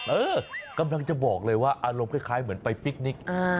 เออกำลังจะบอกเลยว่าอารมณ์คล้ายเหมือนไปพิคนิค